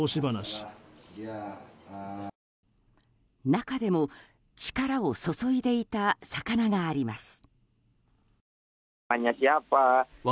中でも力を注いでいた魚があります。